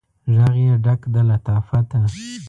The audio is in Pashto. ږغ یې ډک د لطافته